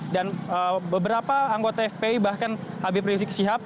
dan beberapa anggota fp bahkan habib rizik syihab